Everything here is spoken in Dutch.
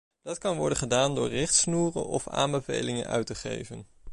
Dat kan worden gedaan door richtsnoeren of aanbevelingen uit te geven.